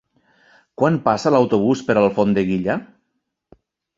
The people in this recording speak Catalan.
Quan passa l'autobús per Alfondeguilla?